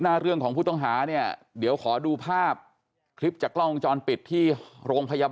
แรงของมือที่ว่าแกจะเสียนะครับ